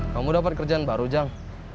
kamu dapat kerjaan baru jang